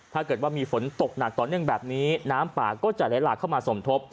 ถ้าเกิดว่ามีฝนตกหนักต่อเนื่องแบบนี้น้ำป่าก็จะไหลหลากเข้ามาสมทบ